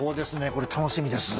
これ楽しみです。